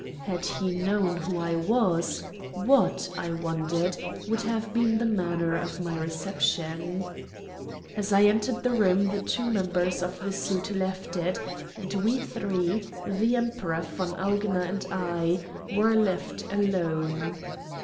Had he known who I was, what, I wondered, would have been the manner of my reception? As I entered the room the two members of the suite left it, and we three the Emperor, von Augener, and I were left alone.